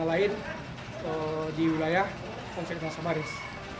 lain di wilayah konsep nansabaris